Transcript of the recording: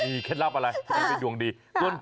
ก็มีเคล็ดลับอะไรที่จะให้ดวงดี